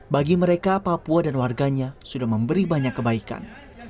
bagi mereka papua dan warganya sudah memberi banyak kebaikan